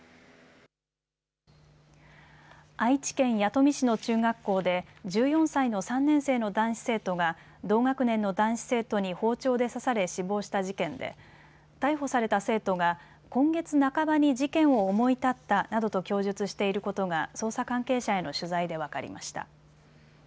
愛知県弥富市の中学校で１４歳の３年生の男子生徒が同学年の男子生徒に包丁で刺され死亡した事件で逮捕された生徒が今月半ばに事件を思い立ったなどと供述していることが捜査関係者への取材で分かりました。